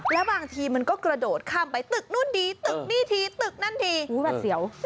แล้วบางทีมันก็กระโดดข้ามไปตึกนู่นดีตึกนี่ทีตึกนั่นทีหวัดเสียว